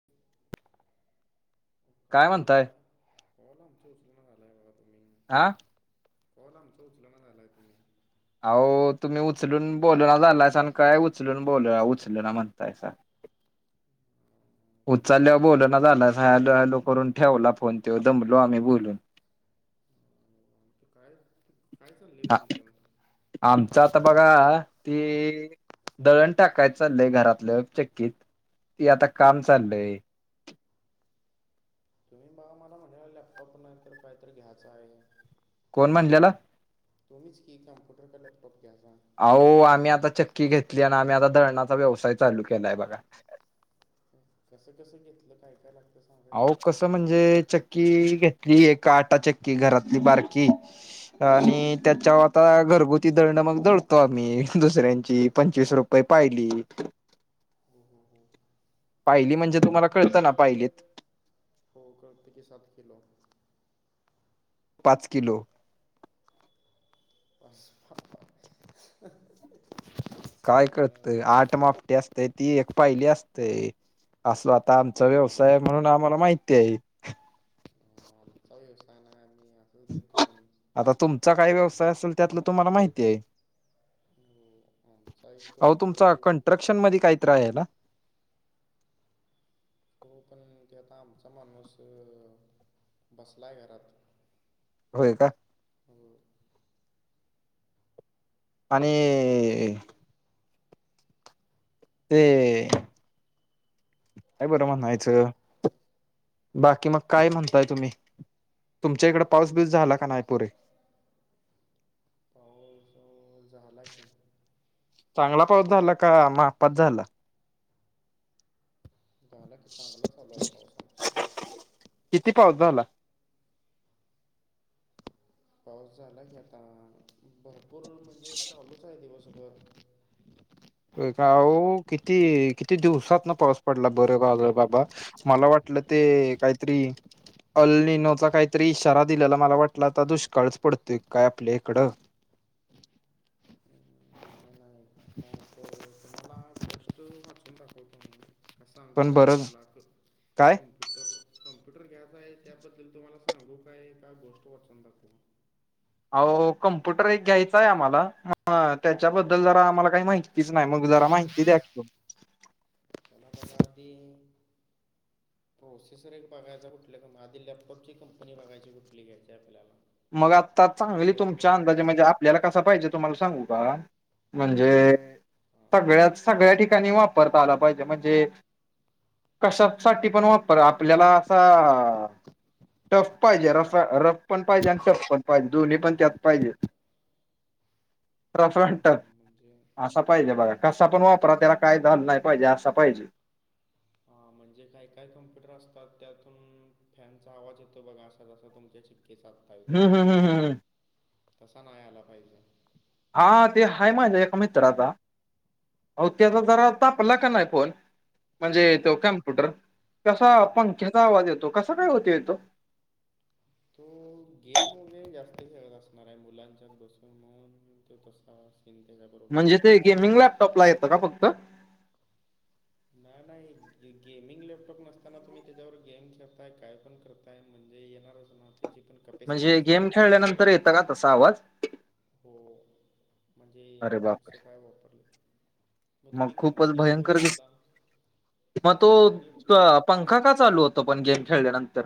[inaudible] काय म्हणताय हलोमणं. - कॉल आमचं उचलन झालांय बघा तम्ही. आं- काॅल आमचा उचलंना झालाय तुम्ही. आवो तुम्ही उचलून बोलनां झालांयसा आणि काय उचलून बोलुया उचल ना म्हणतायंसा. अं, उचाल्यांवर आम्हाला बोलना झालायंसा हॅलो हॅलो करून ठेवला फोन तौ दमलो आम्ही बोलून. अं, काय काय चाललंय आ तुमचं? आमचं आता बघा ते- दळण टाकाय चाललंय घरातलं चक्कीत, आता काम चाललंय. तुम्ही माग मला म्हंणलेला लॅपटॉप नाही तर कायतरी घ्यायचाय. कोण म्हणलेल? तुम्हीच की कॅम्पुटर का लॅपटॉप घ्यायचा- आवो आम्ही आता चक्की घेतली आणि आम्ही आता दळणाचा व्यवसाय चालू केलायं बघा. कसं कसं घेतलं? काय काय लागत- आवो कसं म्हणजे चक्की घेतली एक आटा चक्की घरातली बारकी- आणि त्याच्यावर आता घरगुती दळणं मग दळतो आम्ही दुसऱ्यांची पंचवीस रुप- पै पायली- [unintelligible] पायली म्हणजे तुम्हाला कळतं ना पायलीत- हो कळत की साात किलो. पाच किलो. बस [unintelligible] काय कळतंय आठ माफ्टी असतयं ती एक पायली असतयं अस- आता आमचां हां मग व्यवसाय म्हणून आम्हाला माहितीयेंत. आमचा व्यवसाय नाय मी असंच देतो कोण- आता तुमचा काय व्यवसाय असेल त्यातलं तुम्हाला माहितींये. हो आमचा एक आवो तुमचा कम्प्युटर कनस्ट्रक्शन मध्ये काहीतर आहे नां. हों पण ते आता आमचा माणूसं बसलाय घरात. होयं का. होयं- आणिं- ते काय बरं म्हणायचं? बाकी मग काय म्हणतायं तुम्ही? तुमच्या इकड पाऊस बीऊस झाला का नाही पुरे- पाऊस आहो- झाला की. चांगला पाऊस झाला का मापात झाला. झाला की चांगला चालू पाऊस आमच्या हिकड. किती पाऊस झाला? पाऊस झाला की आता भरपूर म्हणजे चालूचं हाय दिवसभर. आहो किती किती दिवसातंन पाऊस पडला बरं झालं बाबा- मला वाटलं ते कायतरी- काल लिनोचा कायतरी इशारा दिलेला मला वाटला आता दुष्काळच पडतोय काय आपल्या हिकडं. नाही नाही तुम्हाला गोष्ट वाचून दाखवतो. सांगू पण काय बरं तुम्हाला अ क काय कम्प्युटर. कॅम्प्युटर घ्यायचा आहे त्याबद्दल तुम्हाला सांगू काय काय गोष्ट वाचून दाखवू. आवो कम्प्युटर एक घ्यायचांय आम्हाला म हां त्याच्याबद्दल जरा आम्हाला काही माहितीच नाही मग जरा माहि- ती द्या की- का ते प्रोसेसर एक बघायचा कुठलं कंप आधी लॅपटॉप ची कंपनी बघायची कुठली घ्यायची आपल्याला. मग आत्ता त्यात चांगली भरपूर तुमच्या आपली अंदाजे म्हणजे- आपल्याला कस पाहिजे तुम्हाला सांगू का, म्हणजे हां सगळ्या सगळ्या ठिकाणी वाप परत आला पाहिजे म्हणजे कशा साठी पण वापर आपल्याला असा टफ पाहिजे र रफ पण. पाहिजे आणि सपणहिजे दोन्ही पण त्यात पाहिजे. रफ आणि हां हां टफ म्हणजे असा. पाहिजे बघा कसा पण वापरा त्याला काय झालं नाही पाहिजे असं पाहिजे. हा म्हणजे काय काय कॉम्प्युटर असतात त्यातून. फॅनचा आवाज येतो बघा असा असं तुमच्या चिककेसात हम्म हम्म हम्म हम्म तसा नाही आला पाहिजे. हा ते हाय माझ्या एका मित्राचा. हो त्याचा जरा तापला का नाही फोन. म्हणजे हां तो कॅम्प्युटर कसा हां पंख्याचा आवाज येतो कसा काय होतो येतो? तो गेम वगेरे जास्त खेळत असणार आहे, मुलांच्या बसून म्हणून तो तसा. हम त्याच्याबरोबर झालेला असत. टॉपला येतं का फक्त. नाही नाही गेमिंग लॅपटॉप नसताना तुम्ही त्याच्यावर गेम खेळताय काय पण करता. काय म्हणजे येणारच ना त्याची पण कपॅसिटी म्हणजे गेम असते. खेळल्यानंतर येतं का तसा आवाज. हो म्हणजे अरे बाप तसं काय वापरलं? मग तुम्ही खूपच कंपनी बघू भयंकर दिस शकता मग तो कंपनी. पंखा का चालू होतो पण गेम खेळल्यानंतर.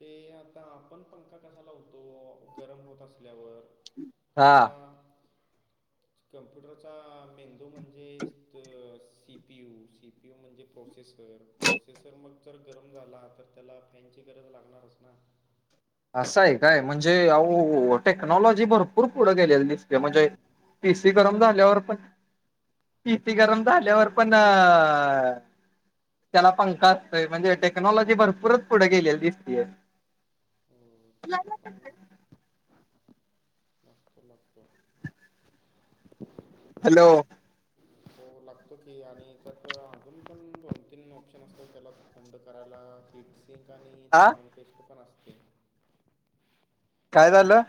ते आता आपण पंखा कसा लावतो गरम होत असल्यावर. कसा? हा कॅम्प्युटरचा मेंदू म्हणजे C P U, C P U म्हणजे प्रोसेस तर प्रोसेसर मग जर गरम झाला, तर त्याला फॅनची गरज लागणारच ना. असं आहे काय म्हणजे अहो टेक्नॉलॉजी भरपूर पुढे गेलेल दिसले म्हणजे. एसी गरम झाल्यावर पण पी सी गरम झाल्यावर पण अ त्याला पंखा असतोय म्हणजे टेक्नॉलॉजी भरपूरच पुढे गेलेली दिसतेये. हो त्याला पण ना. सस्त. हॅलो. हो लागतो की आणि त्यात अजून पण दोन तीन ऑप्शन असतात त्याला पसंद करायला कीट. हिट आणि हा थर्मल पेस्ट पण असते. काय झालं?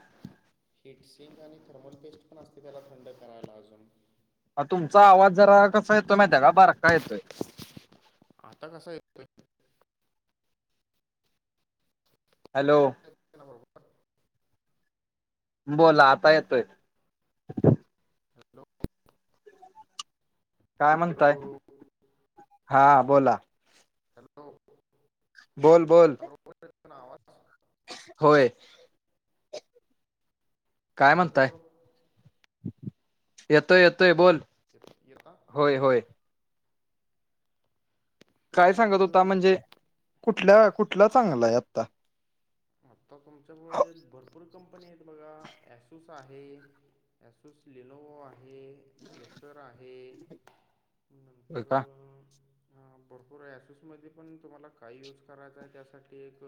हिट सिंग आणि थर्मल पेस्ट पण असते त्याला थंड करायला अजून. तुमचा आवाज जरा कसा येतोय माहिताय का बारका येतोय. आता कसा येतोय. हॅलो [unintelligible] बोला आता येतोय. हॅलो काय म्हणताय हॅलो हा बोला? हॅलो बोल बोल आता बरोबर येतो ना आवाज होय. काय आवाज म्हणताय? बरोबर येतोय येतोय बोल येत- येता होय होय. काय सांगत मग होता म्हणजे, कुठल्या कुठला चांगलाय आता तुमच्यामुळे भरपूर कंपनी आहेत बघा ॲसोस आहे. ॲसोस लीनोवो आहे एसर आहे. होय नंतर का ह भरपूर आहे असोसमध्ये पण तुम्हाला काय यूज करायचं आहे त्यासाठी एक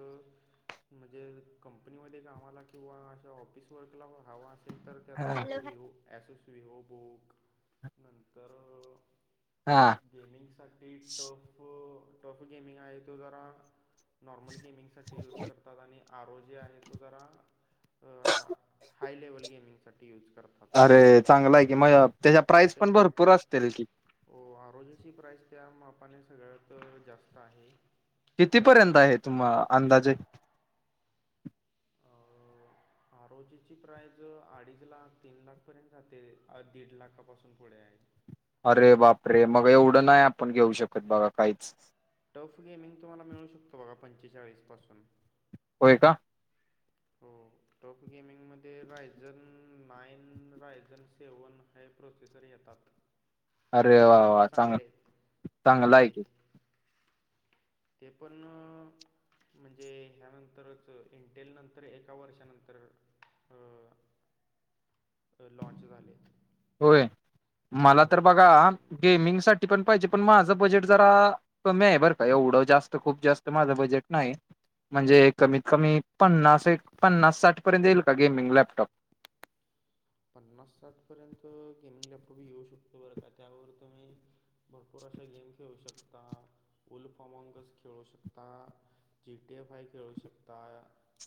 म्हणजे कंपनीमध्ये कामाला किंवा अशा ऑफिस वर्कला हवा असेल तर त्यात हा असतो व्ही ओ ॲसोस रिओ बुक नंतर हा गेमिंगसाठी टॉप टॉप गेमिंग आहे तो जरा नॉर्मल गेमिंगसाठी युज करतात आणि आरोज जे आहे तो जरा हाय लेवल गेमिंगसाठी यूज करतात. चांगला आहे की मग त्याच्या प्राईस पण भरपूर असतील की, हो आरोजीची प्राईस त्या मापाने सगळ्यात जास्त आहे. कितीपर्यंत आहे तुम्हा अंदाजे आरोजीची प्राईज अडीच लाख तीन लाखपर्यंत जाते दीड लाखापासून पुढे आहे. अरे बाप रे मग एवढं नाही आपण घेऊ शकत बघा काहीच टफ गेमिंग तुम्हाला मिळू शकतो बघा पंचेचाळीसपासून होय का? हो टॉप गेमिंगमध्ये रायझन नाईन रायझन सेवन हे प्रोसेसर येतात. अरे वा ते पण वा चांग चांगले आहेत चांगला चांगले आहे की आहेत. ते पण म्हणजे ह्यानंतरच इंटेल नंतर तर एका वर्षानंतर अ लाँच झालेत. होय मला तर बघा गेमिंग सा पण पाहिजे पण माझं बजेट जरा.... कमी आहे बरं का एवढं जास्त खूप जास्त माझं बजेट नाही म्हणजे कमीत कमी पन्नास एक पन्नास साठ पर्यंत येईल का गेमिंग लॅपटॉप पन्नास साठ पर्यंत गेमिंग लॅपटॉप येऊ शकतो बरं का? त्यावर तुम्ही भरपूर अश्या गेम खेळू शकता उलफॉमकच खेळू शकता. जीटीएफाय खेळू शकता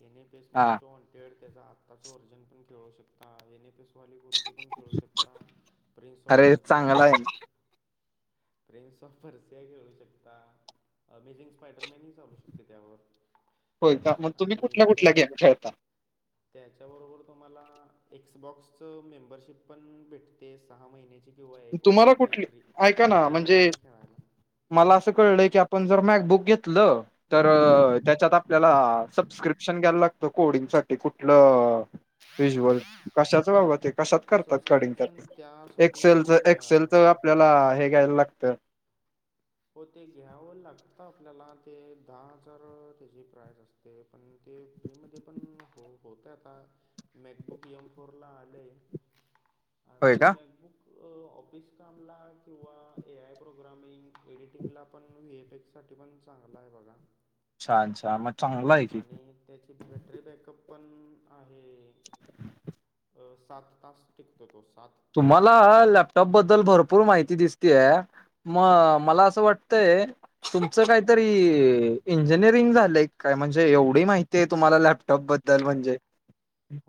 येने ते हा मोस्ट वॉन्टेड त्याचा आत्ताचं वर्जन पण खेळू शकता जेणे ली कोणती पण खेळू शकता प्रिंग्स ऑफ अरे पर्सिया चांगला खेळ आहे ना. प्रिंस ऑफ परर्सिया खेळू शकता. अमेझिंग स्पायडरमॅनही चालू शकते त्यावर होय का मग तुम्ही आणि कुठल्या, त्या कुठल्या गेम खेळतात? त्याच्याबरोबर तुम्हाला एक्सबॉक्सच मेंबरशिप पण भेटते सहा महिन्याची. किंवा एक तुम्हाला वर्षाची कुठली फ्रीरी, ऐका ना फ्रीरी म्हणजे गेम खेळाला. मला असं कळलंय की आपण जर मॅक बुक घेतलं तर हां त्याच्यात त्याला सबस्क्रिप्शन घ्यायला लागतं कोडिंग साठी कुठलं स्विच वर्ल्ड, कशाच बाबा ते? कशात करतात कडिंग सबस्क्रिप्शन त्यात त्यासाठी नाही घ्यावं लागेल. तेला हे घायला लागतं. हो ते घ्यावं लागतं आपल्याला ते दहा हजार त्याची प्राइस असते. ते पण ते फ्रीमध्ये पण हो होत आता मॅकबुक एम फोरला आलंय होय पण का मॅकबुक ऑफिस कामला किंवा ए आय प्रोग्रामिंग एडिटिंगला पण व्हीए पॅक्स साठी पण चांगला आहे बघा छान छान म आणि त्याची बॅटरी बॅकअप पण आहे. अ सात तास टिकतो तो सात तास तुम्हाला कुठलाच लॅपटॉप बद्दल भरपूर माहिती दिसतीय म मला असं वाटतंय तुमचं काहीतरी इंजिनिअरिंग झालंय की काय? म्हणजे एवढी माहिती ते तुम्हाला लॅपटॉप बद्दल म्हणजे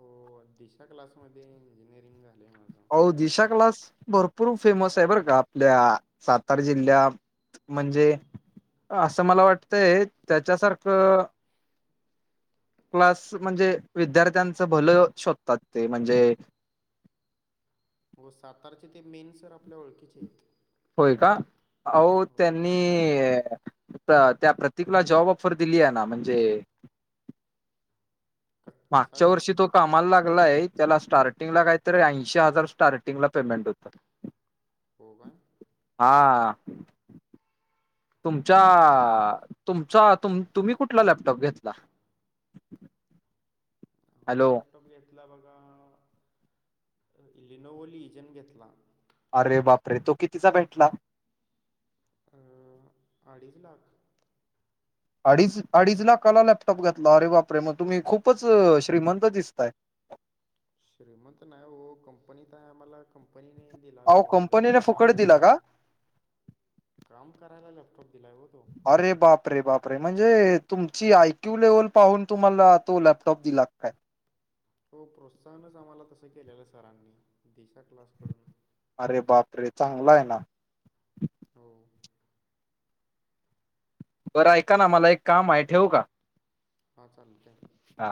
हो दिशा क्लासमध्ये इंजिनिअरिंग झालंय माझं. हो दिशा क्लास भरपूर फेमस आहे बरं का आपल्या सतार जिल्ह्यात म्हणजे असं मला वाटतंय त्याच्यासारखं क्लास म्हणजे विद्यार्थ्यांचं भलं शोधतात ते म्हणजे हो सातारचे ते मेन सर आपल्या ओळखीचे आहेत. होय का आहो हो त्यांनी त्या प्रतिकला जॉब ऑफर दिली आहे ना म्हणजे क कसा मागच्या जॉब वर्षी तो कामाला लागलाय हं, आहे त्याला हं. स्टार्टिंगला काहीतरी ऐंशी हजार स्टार्टिंगला पेमेंट होतं. हो काय. हा.. तुमच्या तुमचा तुम्ही कुठला लॅपटॉप घेतला? ह हॅलो लॅपटॉप घेतला बघा इलिनो लिजन घेतला. अरे बापरे तो कितीचा भेटला? अ अडीच लाख. अडीच, अडीच लाखाला लॅपटॉप घेतला अरे बापरे मग तुम्ही खूपच श्रीमंत दिसताय? श्रीमंत नाय हो कंपनीत आहे आम्हाला कंपनीने दिला अहो होतो कंपनीने लॅपटॉप फुकट काम दिला करायला. का? काम करायला लॅपटॉप दिलाय ओ तो. अरे बापरे, बापरे म्हणजे तुमची आयक्यू लेवल पाहून तुम्हाला तो लॅपटॉप दिला काय? हो प्रोत्साहनच आम्हाला तसं केलेलं सरांनी दिशा क्लासकडून अरे बाप रे चांगला आहेना. हो.. बरं ऐकाना, मला एक काम आहे, ठेवू का. हा, चालतय. हा.